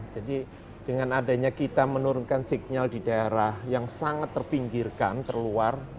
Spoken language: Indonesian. jadi dengan adanya kita menurunkan sinyal di daerah yang sangat terpinggirkan terluar